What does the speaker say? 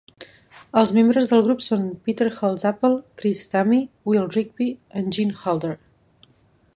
Els membres del grup són Peter Holsapple, Chris Stamey, Will Rigby i Gene Holder.